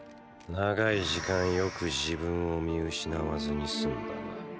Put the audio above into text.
長い時間よく自分を見失わずにすんだな。